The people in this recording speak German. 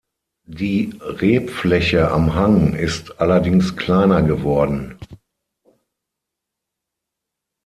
Die Rebfläche am Hang ist allerdings kleiner geworden.